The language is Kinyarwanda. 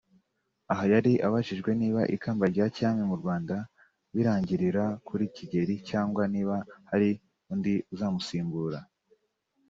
aha yari abajijwe niba ikamba rya cyami mu Rwanda birangirira kuri Kigeli cyangwa niba hari undi uzamusimbura